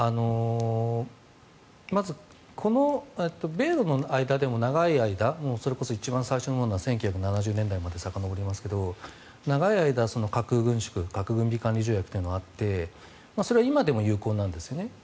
まず、この米ロの間でも長い間それこそ一番最初のほうは１９７０年代までさかのぼりますが長い間、核軍縮核軍備管理条約ってあってそれは今でも有効なんですね。